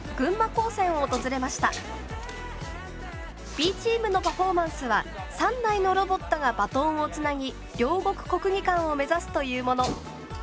Ｂチームのパフォーマンスは３台のロボットがバトンをつなぎ両国国技館を目指すというもの。